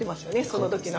その時の。